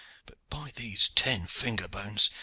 "But, by these ten finger bones!